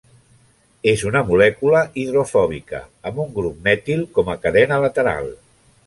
És una molècula hidrofòbica, amb un grup metil com a cadena lateral.